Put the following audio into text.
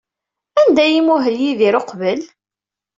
Anda ay imuhel Yidir uqbel?